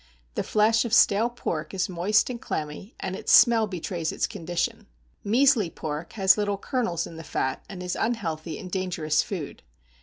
The flesh of stale pork is moist and clammy, and its smell betrays its condition. Measly pork has little kernels in the fat, and is unhealthy and dangerous food.